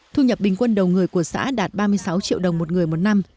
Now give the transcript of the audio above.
thu nhập bình quân đầu người của xã đạt ba mươi sáu triệu đồng một người một năm